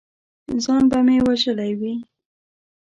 ځان به مې وژلی وي!